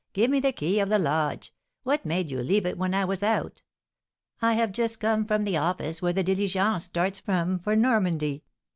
Give me the key of the lodge! What made you leave it when I was out? I have just come from the office where the diligence starts from for Normandy.